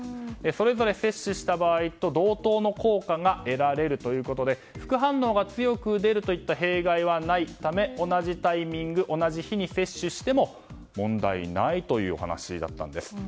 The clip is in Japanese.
それぞれ接種した場合と同等の効果が得られるということで副反応が強く出るといった弊害はないため同じタイミング同じ日に接種しても問題ないというお話だったんです。